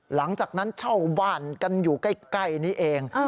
หลังจากนั้นเช่าบ้านกันอยู่ใกล้นี้เอง